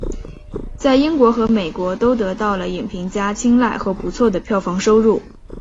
在英国和美国都得到了影评家青睐和不错的票房收入。